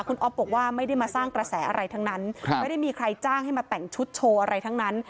คุณอ๊อฟบอกว่าไม่ได้มาสร้างกระแสอะไรทั้งนั้นไม่ได้มีใครจ้างให้มาแต่งชุดโชว์อะไรทั้งนั้น